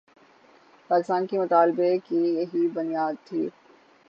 پاکستان کے مطالبے کی یہی بنیاد تھی۔